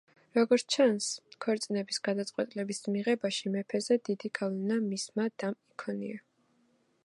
როგორც ჩანს, ქორწინების გადაწყვეტილების მიღებაში მეფეზე დიდი გავლენა მისმა დამ იქონია.